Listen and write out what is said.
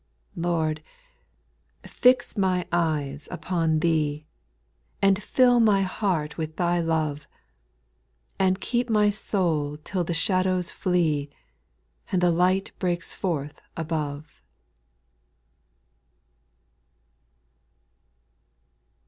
/ 18. ' Lord, fix my eyes upon Thee, And fill my heart with Thy love ; And keep my soul till the shadows flee, And the light breaks forth above.